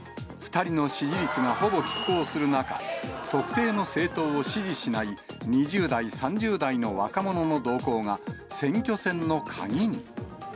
２人の支持率がほぼきっ抗する中、特定の政党を支持しない２０代、３０代の若者の動向が、選挙戦の鍵に。